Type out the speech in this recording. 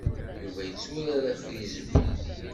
Yuba yetturar afrizbi.